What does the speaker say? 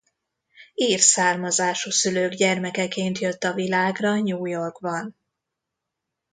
Ír származású szülők gyermekeként jött a világra New Yorkban.